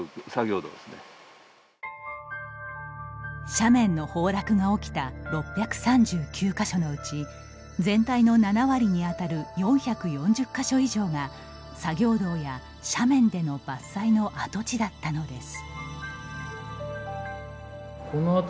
斜面の崩落が起きた６３９か所のうち全体の７割に当たる４４０か所以上が作業道や斜面での伐採の跡地だったのです。